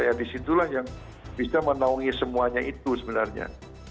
ya di situ lah yang bisa menolongi semuanya itu sebenarnya